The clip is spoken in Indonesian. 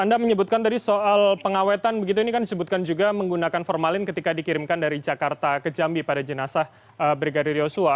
anda menyebutkan tadi soal pengawetan begitu ini kan disebutkan juga menggunakan formalin ketika dikirimkan dari jakarta ke jambi pada jenazah brigadir yosua